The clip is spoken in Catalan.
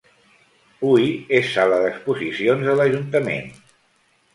Hui és sala d'exposicions de l'Ajuntament.